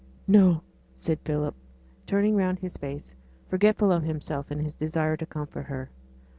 'No!' said Philip, turning round his face, forgetful of himself in his desire to comfort her.